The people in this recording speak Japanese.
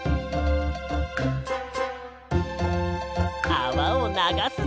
あわをながすぞ。